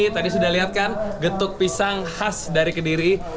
tadi sudah lihat kan getuk pisang khas dari kediri